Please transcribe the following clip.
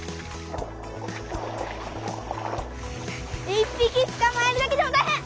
一ぴきつかまえるだけでもたいへん！